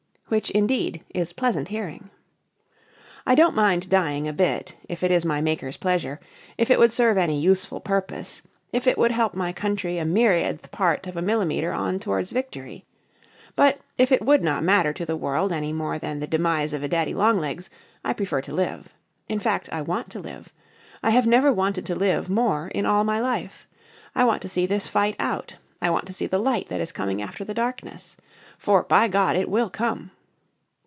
Which indeed is pleasant hearing. I don't mind dying a bit, if it is my Maker's pleasure; if it would serve any useful purpose; if it would help my country a myriadth part of a millimetre on towards victory. But if it would not matter to the world any more than the demise of a daddy long legs, I prefer to live. In fact, I want to live. I have never wanted to live more in all my life. I want to see this fight out. I want to see the Light that is coming after the Darkness. For, by God! it will come.